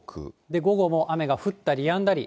午後も雨が降ったりやんだり。